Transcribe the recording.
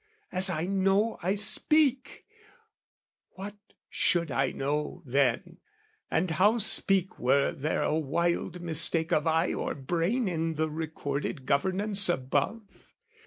As I know, I speak, what should I know, then, and how speak Were there a wild mistake of eye or brain In the recorded governance above?